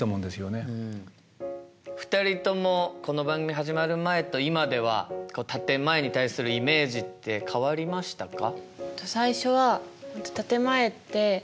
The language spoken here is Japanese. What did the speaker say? ２人ともこの番組始まる前と今では建て前に対するイメージって変わりましたか？